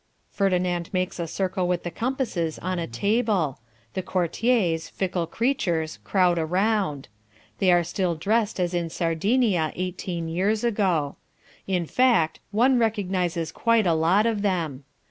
Ferdinand makes a circle with the compasses on a table the courtiers, fickle creatures, crowd around. They are still dressed as in Sardinia eighteen years ago. In fact, one recognises quite a lot of them.